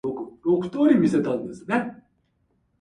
夜遅いです。